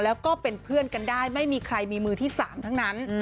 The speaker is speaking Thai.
แล้วก็เป็นเพื่อนกันได้ไม่มีใครมีมือที่๓ทั้งนั้น